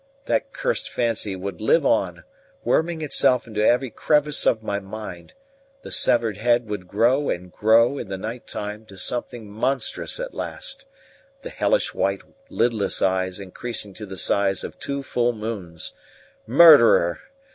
That cursed fancy would live on, worming itself into every crevice of my mind; the severed head would grow and grow in the night time to something monstrous at last, the hellish white lidless eyes increasing to the size of two full moons. "Murderer!